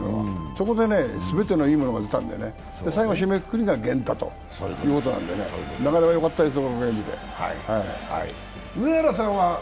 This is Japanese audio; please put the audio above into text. そこでね、全てのいいものが出たので最後、締めくくりが源田ということなんでね、なかなかよかったですよ。